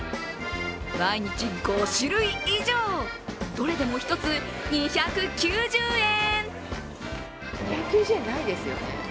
毎日５種類以上、どれでも１つ２９０円。